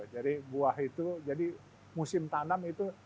jadi buah itu jadi musim tanam itu